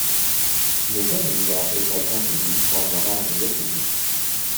Mais Camilla est atteinte d’une forme rare de leucémie.